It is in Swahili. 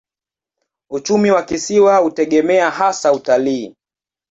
Uchumi wa kisiwa hutegemea hasa utalii.